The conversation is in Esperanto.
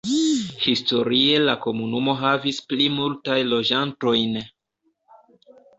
Historie la komunumo havis pli multajn loĝantojn.